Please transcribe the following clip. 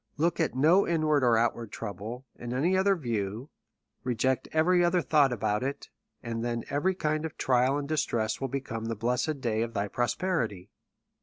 Look at no inward or outward trouble, in any other view — reject every other thought about it; and then every kind of trial and distress will become the blessed day of thy prosperity.